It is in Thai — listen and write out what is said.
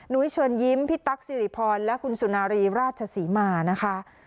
นุ้ยเชิญยิ้มพี่ตั๊กซิริภร์และคุณสุนารีราชสิมานะคะ